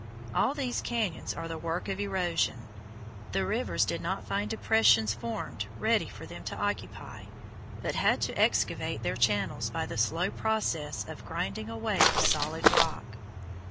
All these cañons are the work of erosion. The rivers did not find depressions formed ready for them to occupy, but had to excavate their channels by the slow process of grinding away the solid rock.